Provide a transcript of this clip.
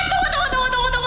tunggu tunggu tunggu tunggu